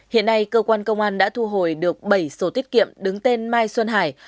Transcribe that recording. hiện nay cơ quan công an đã thu hồi được bảy sổ tiết kiệm đứng tên mai xuân hải